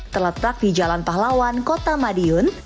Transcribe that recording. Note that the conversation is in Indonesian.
terletak di jalan pahlawan kota madiun